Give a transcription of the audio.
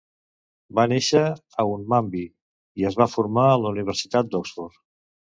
Va néixer a Hunmanby i es va formar a la Universitat d'Oxford.